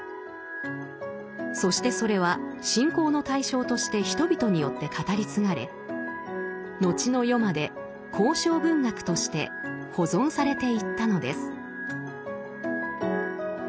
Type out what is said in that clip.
そしてそれは信仰の対象として人々によって語り継がれ後の世まで口承文学として保存されていったのです。